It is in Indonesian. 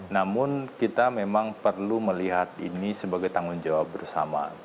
namun kita memang perlu melihat ini sebagai tanggung jawab bersama